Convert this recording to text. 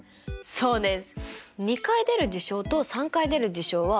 そうです。